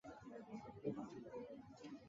出身于京都府京都市西京区桂。